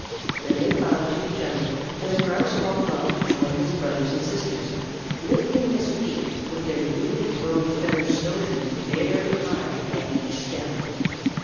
Then they bowed to each other and the Grouse walked off to join his brothers and sisters, lifting his feet with their newly grown feather snow shoes very high at every step.